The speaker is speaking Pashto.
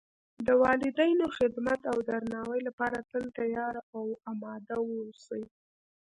د والدینو خدمت او درناوۍ لپاره تل تیار او آماده و اوسئ